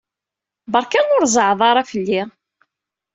Beṛka ur zeɛɛeḍ ara fell-i.